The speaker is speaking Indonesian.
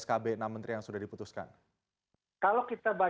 jika kemudian akun ini menjadi nama baru yang dipakai fpi untuk kemudian bisa berbicara